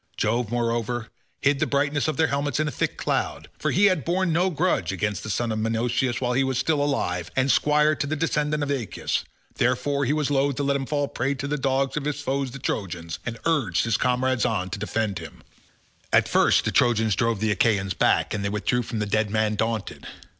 Jove, moreover, hid the brightness of their helmets in a thick cloud, for he had borne no grudge against the son of Menoetius while he was still alive and squire to the descendant of Aeacus; therefore he was loth to let him fall a prey to the dogs of his foes the Trojans, and urged his comrades on to defend him. At first the Trojans drove the Achaeans back, and they withdrew from the dead man daunted.